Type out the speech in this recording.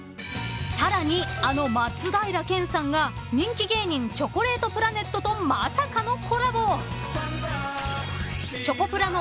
［さらにあの松平健さんが人気芸人チョコレートプラネットとまさかのコラボ］